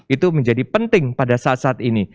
itu menjadi penting pada saat saat ini